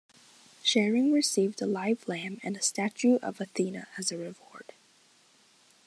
Sherring received a live lamb and a statue of Athena as a reward.